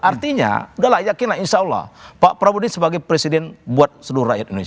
artinya udahlah yakinlah insya allah pak prabowo ini sebagai presiden buat seluruh rakyat indonesia